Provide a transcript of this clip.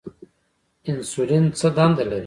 انسولین څه دنده لري؟